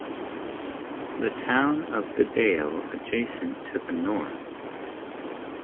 The town of Bedale adjacent to the north.